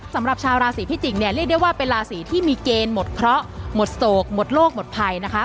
สำหรับชาวราศีพิจิกษ์เนี่ยเรียกได้ว่าเป็นราศีที่มีเกณฑ์หมดเคราะห์หมดโศกหมดโลกหมดภัยนะคะ